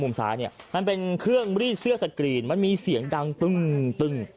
ซ้ายเนี่ยมันเป็นเครื่องรีดเสื้อสกรีนมันมีเสียงดังตึ้งตึ้ง